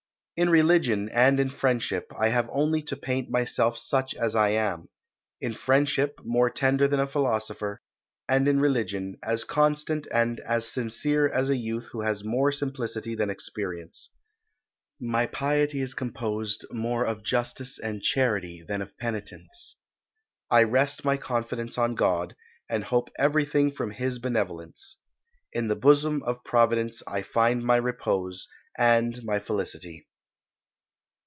In religion, and in friendship, I have only to paint myself such as I am in friendship more tender than a philosopher; and in religion, as constant and as sincere as a youth who has more simplicity than experience. My piety is composed more of justice and charity than of penitence. I rest my confidence on God, and hope everything from His benevolence. In the bosom of Providence I find my repose, and my felicity."